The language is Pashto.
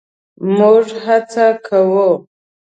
مونږ هڅه کوو